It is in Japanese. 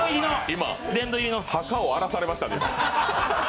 今、墓を荒らされましたね。